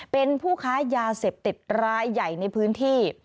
เป็นผู้ค้ายาเสพติดรายใหญ่ในพื้นที่